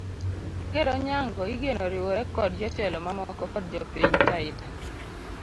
Ker Onyango igeno riwore kod jotelo mamoko kod jopiny taita